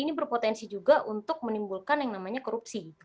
ini berpotensi juga untuk menimbulkan yang namanya korupsi